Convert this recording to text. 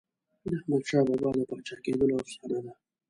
د احمدشاه بابا د پاچا کېدلو افسانه ده.